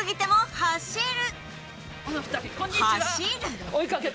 走る！